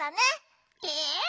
え？